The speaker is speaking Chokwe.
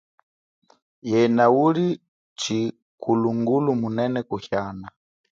Yena uli tshikulungulu munene kuhiana.